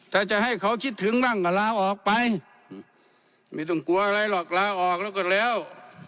ถ้าจะให้เขาคิดถึงบ้างก็ลาออกไปไม่ต้องกลัวอะไรหรอกลาออกแล้วก็แล้ว